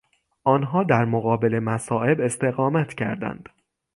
آنها در مقابل مصائب استقامت کردند.